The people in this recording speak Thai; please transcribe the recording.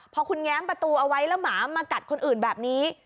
พอคุณแง้มประตูเอาไว้แล้วหมามากัดคนอื่นแบบนี้